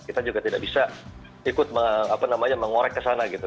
kita juga tidak bisa ikut mengorek ke sana gitu